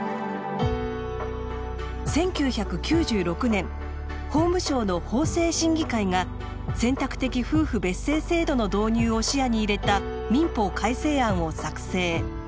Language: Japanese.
１９９６年法務省の法制審議会が選択的夫婦別姓制度の導入を視野に入れた民法改正案を作成。